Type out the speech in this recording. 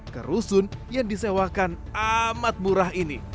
ke rusun yang disewakan amat murah ini